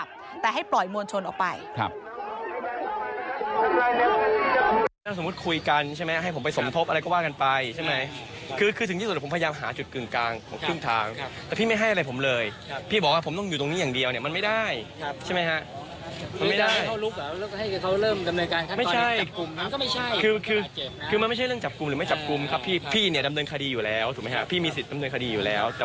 ใช่ไหมให้ผมไปสมทบอะไรก็ว่ากันไปใช่ไหมคือคือถึงที่สุดผมพยายามหาจุดกึ่งกลางของครึ่งทางแต่พี่ไม่ให้อะไรผมเลยพี่บอกผมต้องอยู่ตรงนี้อย่างเดียวเนี่ยมันไม่ได้ใช่ไหมฮะไม่ได้ไม่ใช่คือคือมันไม่ใช่เรื่องจับกลุ่มหรือไม่จับกลุ่มครับพี่พี่เนี่ยดำเนินคดีอยู่แล้วถูกไหมฮะพี่มีสิทธิ์ดำเนินคดีอยู่แล้วแต่